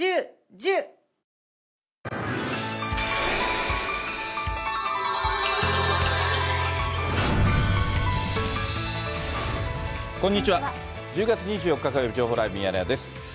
１０月２４日火曜日、情報ライブミヤネ屋です。